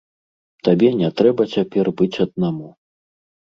Табе не трэба цяпер быць аднаму.